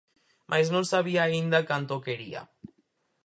Mais non sabía aínda canto o quería.